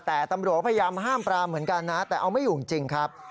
แต่ตำรวจพยายามห้ามปรามเหมือนกันนะแต่เอาไม่อยู่จริงครับ